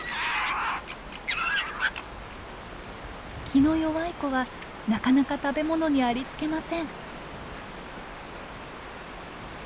気の弱い子はなかなか食べ物にありつけません。